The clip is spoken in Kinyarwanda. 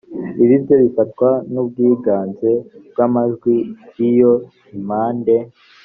ibi byo bifatwa n ubwiganze bw amajwi iyo impande